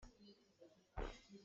Tuni cu ka ngaih a chia ngai.